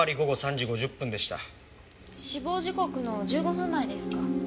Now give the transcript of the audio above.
死亡時刻の１５分前ですか。